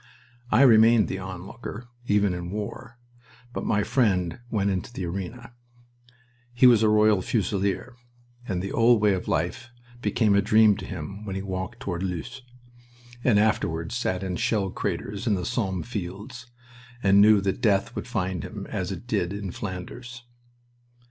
I remained the onlooker, even in war, but my friend went into the arena. He was a Royal Fusilier, and the old way of life became a dream to him when he walked toward Loos, and afterward sat in shell craters in the Somme fields, and knew that death would find him, as it did, in Flanders.